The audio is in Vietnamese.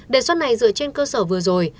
đề xuất này dựa trên cơ sở vừa rồi